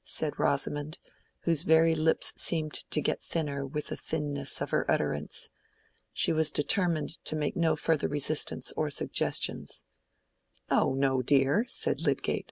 said Rosamond, whose very lips seemed to get thinner with the thinness of her utterance. She was determined to make no further resistance or suggestions. "Oh no, dear!" said Lydgate.